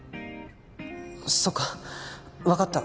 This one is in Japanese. そっか分かった